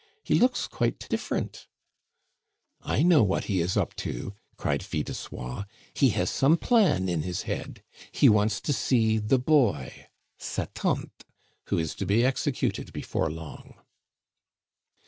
He looks quite different." "I know what he is up to!" cried Fil de Soie; "he has some plan in his head. He wants to see the boy" (sa tante) "who is to be executed before long."